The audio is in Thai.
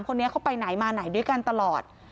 คนนี้เขาไปไหนมาไหนด้วยกันตลอด